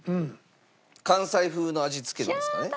関西風の味付けなんですかね？